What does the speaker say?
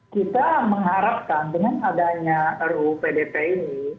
kita mengharapkan dengan adanya ruu pdp ini